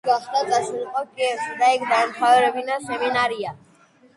იძულებული გახდა წასულიყო კიევში და იქ დაემთავრებინა სემინარია.